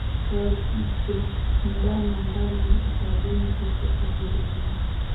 walipiga mnada mali za benki za kijerumani